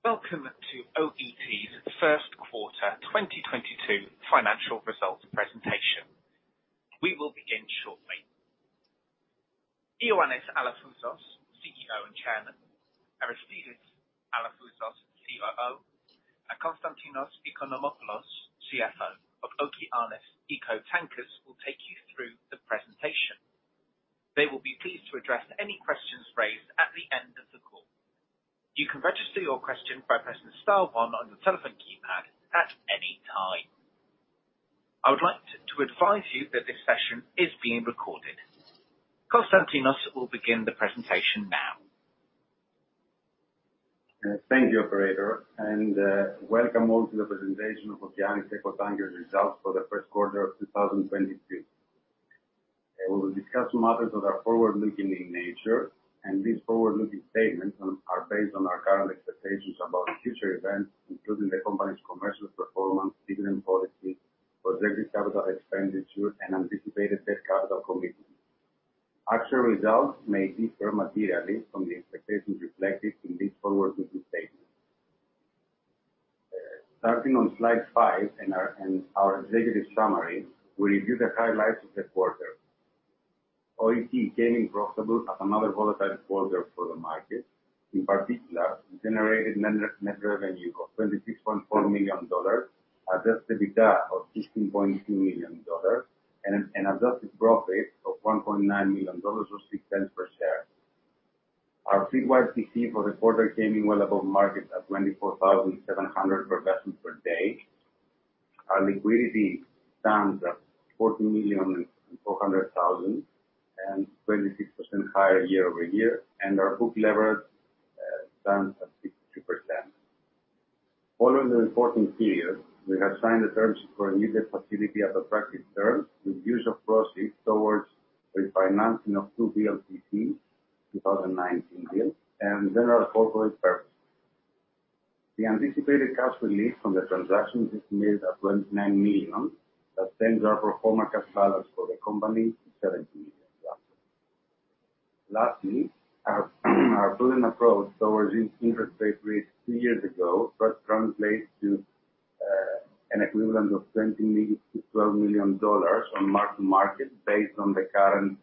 Welcome to OET's Q1 2022 financial results presentation. We will begin shortly. Ioannis Alafouzos, CEO and Chairman, Aristidis Alafouzos, COO, and Konstantinos Oikonomopoulos, CFO of Okeanis Eco Tankers will take you through the presentation. They will be pleased to address any questions raised at the end of the call. You can register your question by pressing star one on your telephone keypad at any time. I would like to advise you that this session is being recorded. Konstantinos will begin the presentation now. Thank you, operator, and welcome all to the presentation of Okeanis Eco Tankers results for the Q1 of 2022. We will discuss some matters that are forward-looking in nature, and these forward-looking statements are based on our current expectations about future events, including the company's commercial performance, dividend policy, projected capital expenditure, and anticipated debt capital commitments. Actual results may differ materially from the expectations reflected in these forward-looking statements. Starting on slide five in our executive summary, we review the highlights of the quarter. OET came in profitable as another volatile quarter for the market. In particular, we generated net revenue of $26.4 million, adjusted EBITDA of $16.2 million and an adjusted profit of $1.9 million or $0.06 per share. Our fleetwide TC for the quarter came in well above market at 24,700 per vessel per day. Our liquidity stands at $14.4 million and 26% higher year-over-year, and our book leverage stands at 62%. Following the reporting period, we have signed the terms for a needed facility at attractive terms with use of proceeds towards refinancing of two VLCC 2019 deals and general corporate purpose. The anticipated cash release from the transaction is estimated at $29 million. That sends our pro forma cash balance for the company to $70 million. Lastly, our prudent approach towards interest rate risk two years ago first translates to an equivalent of $20 million to $12 million on mark-to-market based on the current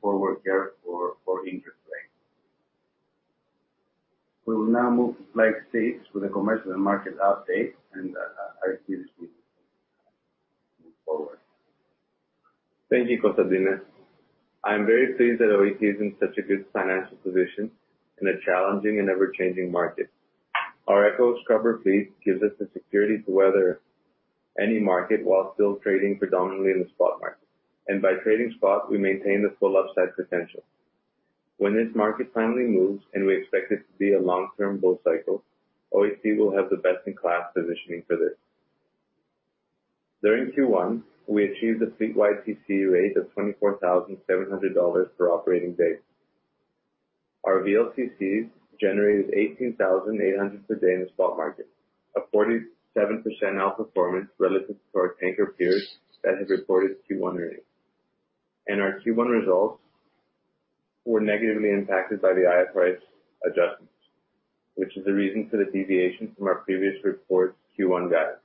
forward curve for interest rates. We will now move to slide six with a commercial and market update, and Aristidis will move forward. Thank you, Konstantinos. I am very pleased that OET is in such a good financial position in a challenging and ever-changing market. Our eco scrubber fleet gives us the security to weather any market while still trading predominantly in the spot market. By trading spot, we maintain the full upside potential. When this market finally moves, and we expect it to be a long-term bull cycle, OET will have the best in class positioning for this. During Q1, we achieved a fleetwide TC rate of $24,700 per operating day. Our VLCCs generated $18,800 per day in the spot market, a 47% outperformance relative to our tanker peers that has reported Q1 earnings. Our Q1 results were negatively impacted by the IFRS adjustments, which is the reason for the deviation from our previous reported Q1 guidance.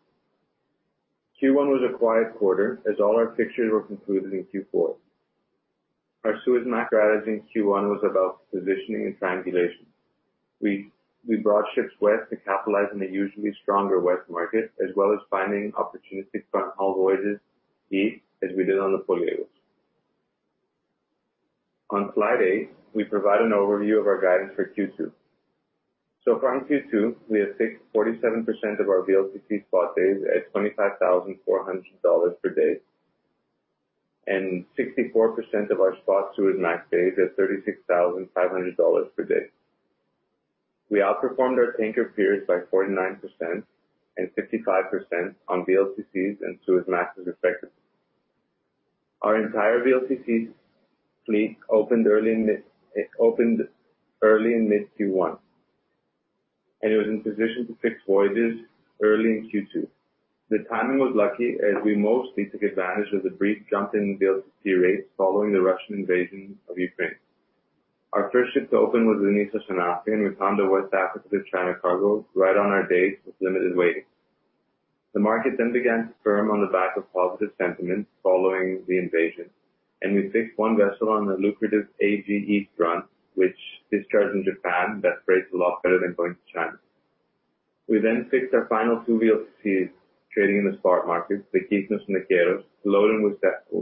Q1 was a quiet quarter as all our fixtures were concluded in Q4. Our Suezmax strategy in Q1 was about positioning and triangulation. We brought ships west to capitalize on the usually stronger west market, as well as finding opportunistic fronthaul voyages east, as we did on the Poliegos. On slide eight, we provide an overview of our guidance for Q2. So far in Q2, we have fixed 47% of our VLCC spot days at $25,400 per day and 64% of our spot Suezmax days at $36,500 per day. We outperformed our tanker peers by 49% and 55% on VLCCs and Suezmaxes respectively. Our entire VLCC fleet opened early in mid Q1, and it was in position to fix voyages early in Q2. The timing was lucky as we mostly took advantage of the brief jump in VLCC rates following the Russian invasion of Ukraine. Our first ship to open was the Nissos Anafi, and we found a West Africa to China cargo right on our days with limited waiting. The market then began to firm on the back of positive sentiments following the invasion, and we fixed one vessel on the lucrative AG East run, which discharged in Japan at rates a lot better than going to China. We then fixed our final two VLCCs trading in the spot market, the Nissos Kythnos and the Nissos Keros, loading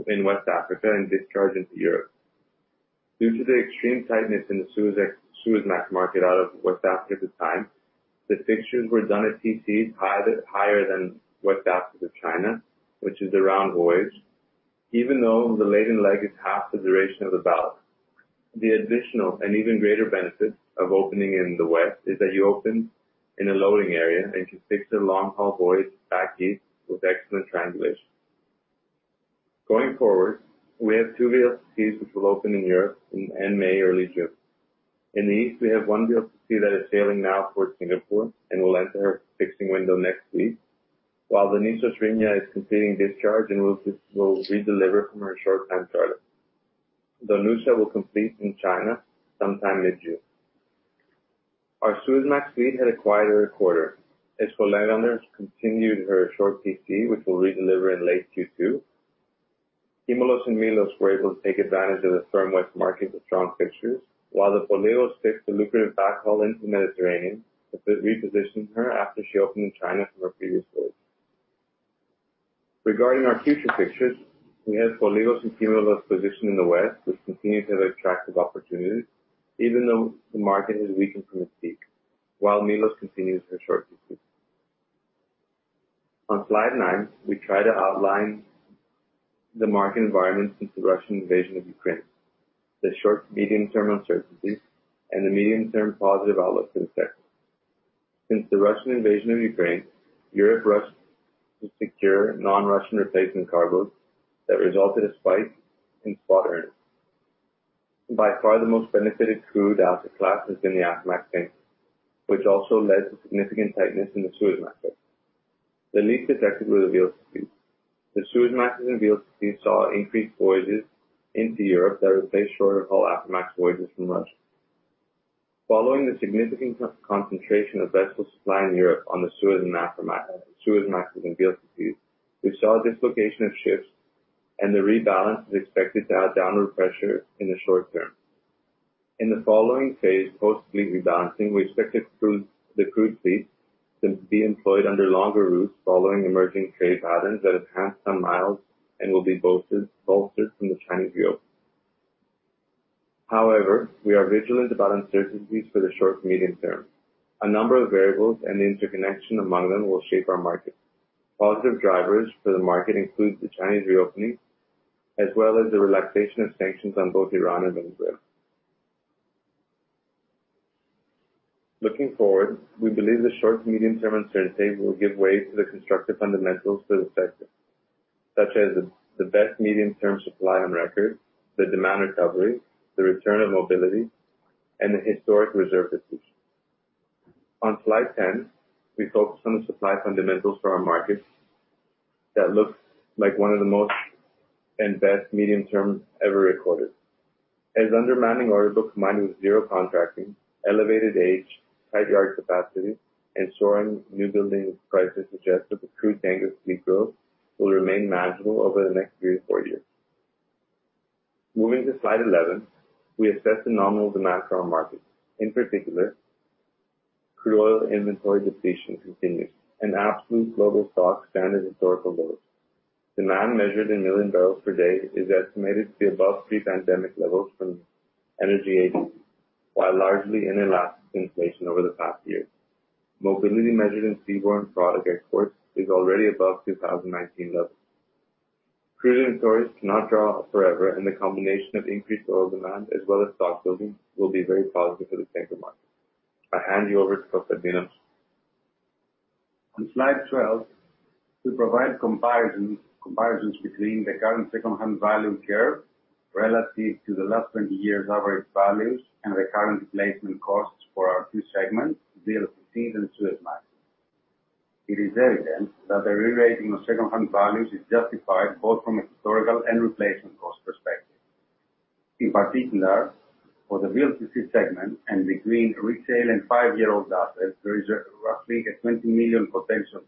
in West Africa and discharge into Europe. Due to the extreme tightness in the Suezmax market out of West Africa at the time, the fixtures were done at TC higher than West Africa to China, which is a round voyage. Even though the laden leg is half the duration of the ballast. The additional and even greater benefit of opening in the west is that you open in a loading area and can fix a long haul voyage back east with excellent triangulation. Going forward, we have two VLCCs which will open in Europe in end May, early June. In the east, we have one VLCC that is sailing now towards Singapore and will enter her fixing window next week. While the Nissos Rhenia is completing discharge and will redeliver from her short-term charter. The Nissos Nikouria will complete in China sometime mid-June. Our Suezmax fleet had a quieter quarter as Folegandros continued her short TC, which will redeliver in late Q2. Kimolos and Milos were able to take advantage of the firm West markets with strong fixtures, while the Poliegos takes the lucrative backhaul into Mediterranean to reposition her after she opened in China from her previous role. Regarding our future fixtures, we have Poliegos and Kimolos positioned in the West, which continues to have attractive opportunities even though the market has weakened from its peak, while Milos continues her short TC. On slide nine, we try to outline the market environment since the Russian invasion of Ukraine, the short medium-term uncertainties, and the medium-term positive outlook for the sector. Since the Russian invasion of Ukraine, Europe rushed to secure non-Russian replacement cargoes that resulted in a spike in spot earnings. By far, the most benefited crude asset class has been the Aframax tanker, which also led to significant tightness in the Suezmaxes. The least affected were the VLCCs. The Suezmaxes and VLCCs saw increased voyages into Europe that replaced shorter haul Aframax voyages from Russia. Following the significant concentration of vessel supply in Europe on the Suezmaxes and Aframaxes, we saw dislocation of ships, and the rebalance is expected to have downward pressure in the short term. In the following phase, post fleet rebalancing, we expect the crude fleets to be employed under longer routes following emerging trade patterns that enhance ton miles and will be bolstered from the Chinese reopening. However, we are vigilant about uncertainties for the short to medium term. A number of variables and the interconnection among them will shape our market. Positive drivers for the market includes the Chinese reopening, as well as the relaxation of sanctions on both Iran and Venezuela. Looking forward, we believe the short to medium term uncertainty will give way to the constructive fundamentals for the sector, such as the best medium-term supply on record, the demand recovery, the return of mobility, and the historic reserve depletion. On slide 10, we focus on the supply fundamentals for our markets that looks like one of the most and best medium terms ever recorded. As undermanning order book combined with zero contracting, elevated age, tight yard capacity, and soaring newbuilding prices suggest that the crude tanker fleet growth will remain manageable over the next three to four years. Moving to slide 11, we assess the nominal demand for our markets. In particular, crude oil inventory depletion continues and absolute global stocks stand at historical lows. Demand measured in million barrels per day is estimated to be above pre-pandemic levels from energy agencies, while largely inelastic inflation over the past year. Mobility measured in seaborne product exports is already above 2019 levels. Crude inventories cannot draw forever, and the combination of increased oil demand as well as stock building will be very positive for the tanker market. I hand you over to Konstantinos. On slide 12, we provide comparisons between the current secondhand value curve relative to the last 20 years average values and the current replacement costs for our two segments, VLCCs and Suezmax. It is evident that the rerating of secondhand values is justified both from a historical and replacement cost perspective. In particular, for the VLCC segment and between 10-year-old and five-year-old assets, there is roughly a $20 million potential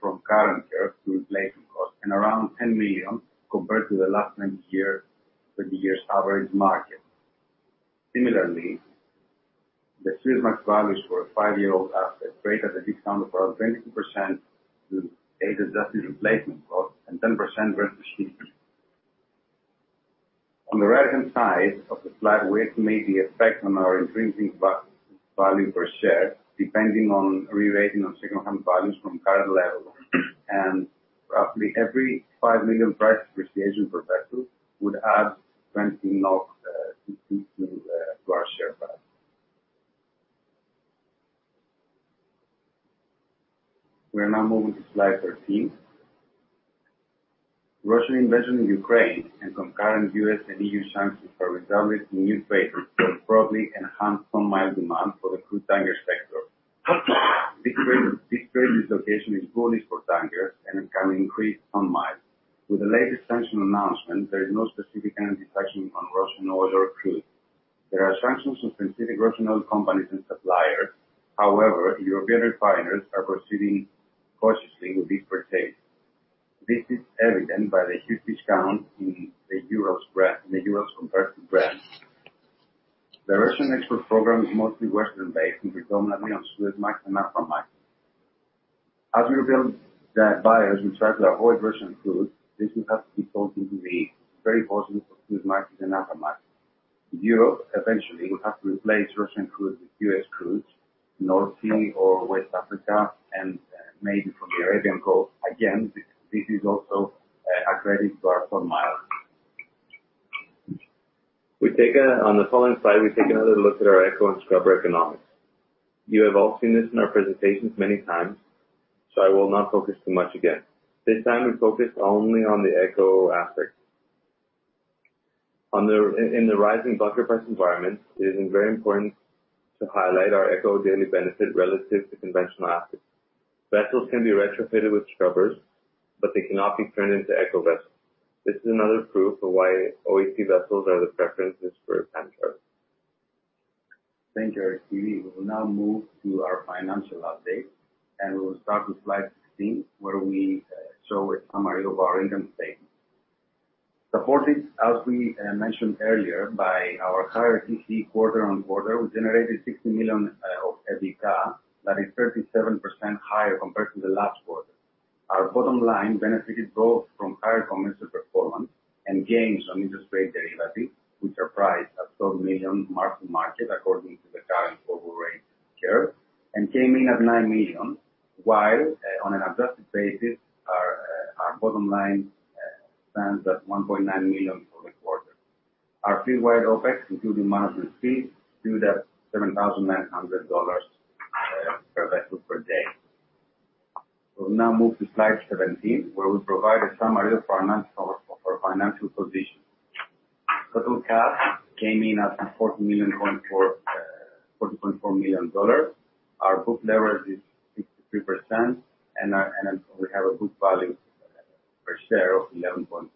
from current curve to replacement cost and around $10 million compared to the last 20-year, 30-year average market. Similarly, the Suezmax values for a five-year-old asset trade at a discount of around 22% to age-adjusted replacement cost and 10% versus ships. On the right-hand side of the slide, we estimate the effect on our intrinsic value per share depending on rerating of secondhand values from current levels. Roughly every $5 million price appreciation per vessel would add 20 NOK EPS to our share price. We are now moving to slide 13. Russian invasion of Ukraine and concurrent U.S. and EU sanctions are resulting in new trade that broadly enhance ton-mile demand for the crude tanker sector. This trade dislocation is bullish for tankers and can increase ton-miles. With the latest sanction announcement, there is no specific energy sanction on Russian oil or crude. There are sanctions on specific Russian oil companies and suppliers. However, European refiners are proceeding cautiously with these purchases. This is evident by the huge discount in the Urals compared to Brent. The Russian export program is mostly Western-based and predominantly on Suezmax and Aframax. As the buyers who try to avoid Russian crude, this will have to be built into the very positive Suezmax and Aframax. Europe eventually will have to replace Russian crude with US crudes, North Sea or West Africa and maybe from the Arabian Gulf. Again, this is also a credit to our ton-miles. On the following slide, we take another look at our eco and scrubber economics. You have all seen this in our presentations many times, so I will not focus too much again. This time we focused only on the eco aspects. In the rising bunker price environment, it is very important to highlight our eco daily benefit relative to conventional assets. Vessels can be retrofitted with scrubbers, but they cannot be turned into eco vessels. This is another proof of why OET vessels are the preferences for time charters. Thank you, Aristidis. We will now move to our financial update, and we will start with slide 16, where we show a summary of our income statement. Supported, as we mentioned earlier by our higher TC quarter on quarter, we generated $60 million of EBITDA, that is 37% higher compared to the last quarter. Our bottom line benefited both from higher commercial performance and gains on interest rate derivatives, which are priced at $12 million mark-to-market according to the current global rate curve, and came in at $9 million. While on an adjusted basis, our bottom line stands at $1.9 million for the quarter. Our fleetwide OPEX, including management fees, stood at $7,900 per vessel per day. We'll now move to slide 17, where we provide a summary of our financial position. Total cash came in at $40.4 million. Our book leverage is 63% and we have a book value per share of $11.4.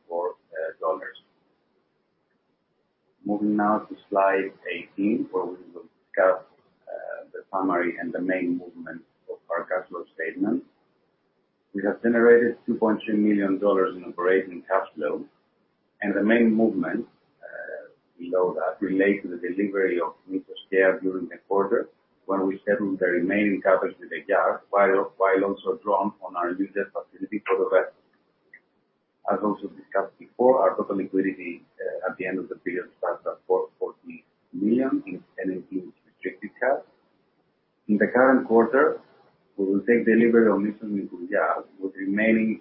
Moving now to slide 18, where we will discuss the summary and the main movement of our cash flow statement. We have generated $2.2 million in operating cash flow and the main movement below that relate to the delivery of Nissos Kea during the quarter when we settled the remaining CapEx with the yard while also drawn on our reserve facility for the vessel. As also discussed before, our total liquidity at the end of the period stands at $440 million in restricted cash. In the current quarter, we will take delivery on Nissos Nikouria with remaining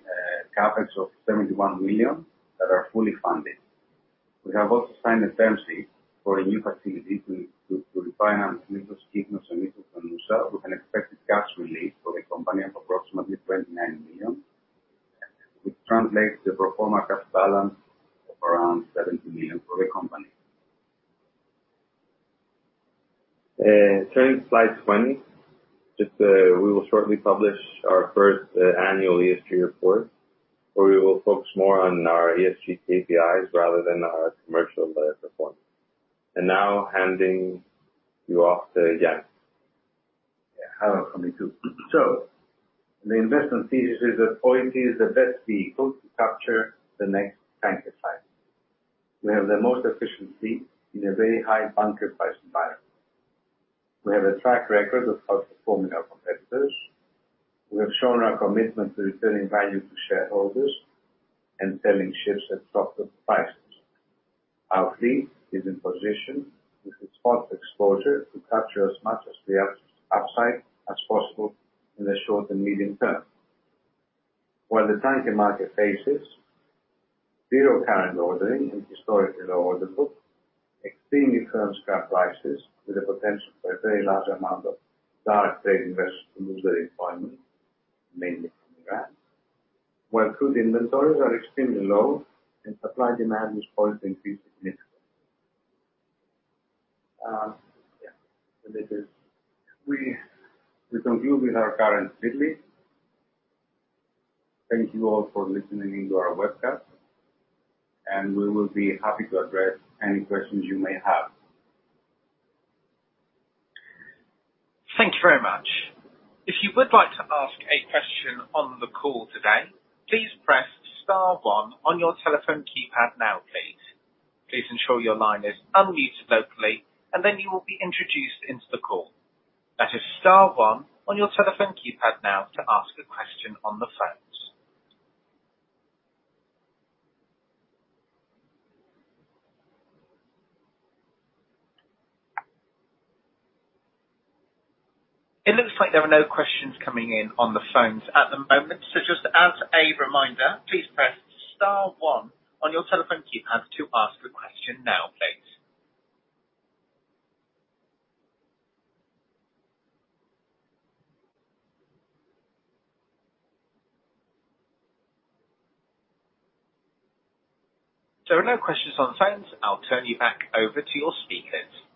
CapEx of $71 million that are fully funded. We have also signed a term sheet for a new facility to refinance Nissos Kea and Nissos Donoussa with an expected cash release for the company of approximately $29 million, which translates to pro forma cash balance of around $70 million for the company. Turning to slide 20, just, we will shortly publish our first annual ESG report, where we will focus more on our ESG KPIs rather than our commercial performance. Now handing you off to loannis. Yeah. Hello, from me too. The investment thesis is that OET is the best vehicle to capture the next tanker cycle. We have the most efficient fleet in a very high bunker price environment. We have a track record of outperforming our competitors. We have shown our commitment to returning value to shareholders and selling ships at top prices. Our fleet is in position with the spot exposure to capture as much of the upside as possible in the short and medium term. While the tanker market faces zero current ordering and historically low order book, extremely firm scrap prices with the potential for a very large amount of direct trade vessels to lose their employment, mainly from Iran. While crude inventories are extremely low and supply and demand is poised to increase significantly. We conclude with our current fleet list. Thank you all for listening in to our webcast, and we will be happy to address any questions you may have. Thank you very much. If you would like to ask a question on the call today, please press star one on your telephone keypad now, please. Please ensure your line is unmuted locally and then you will be introduced into the call. That is star one on your telephone keypad now to ask a question on the phone. It looks like there are no questions coming in on the phones at the moment. Just as a reminder, please press star one on your telephone keypad to ask a question now, please. There are no questions on phones. I'll turn you back over to your speakers.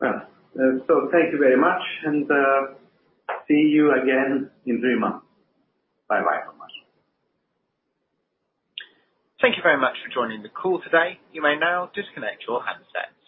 Well, thank you very much and see you again in two months. Bye-bye. Thank you very much. Thank you very much for joining the call today. You may now disconnect your handsets.